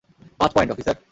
পাঁচ point, officer!